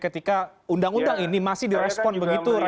ketika undang undang ini masih di respon begitu resisten